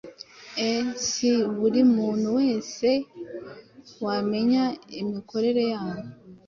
e si buri muntu wese wamenya imikorere yabo